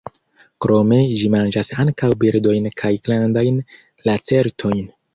Krome ĝi manĝas ankaŭ birdojn kaj grandajn lacertojn.